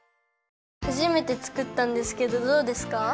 はじめてつくったんですけどどうですか？